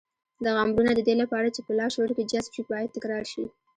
دغه امرونه د دې لپاره چې په لاشعور کې جذب شي بايد تکرار شي.